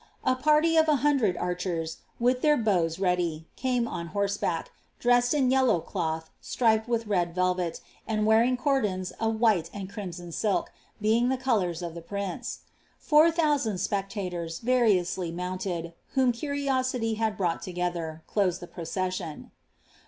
A party of a hundred archen, with their bowa icai^, eame on horseback, dressed in yellow cloth,, striped with len velffli, and wearing cordons of while and crimson silk, bei^g the colonnof lbs prince. Four thousand spectators, variously mounted) whoa cnriori^ Bad brought together, doMd the procession.